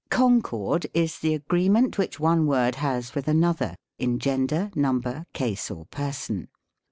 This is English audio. Concord is the agreement which one word has with another, in gender, number, case or person.